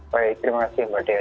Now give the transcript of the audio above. baik terima kasih mbak dea